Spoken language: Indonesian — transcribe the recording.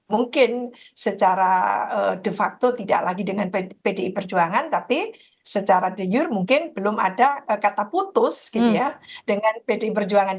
mungkin secara de facto tidak lagi dengan pdi perjuangan tapi secara de jure mungkin belum ada kata putus gitu ya dengan pdi perjuangan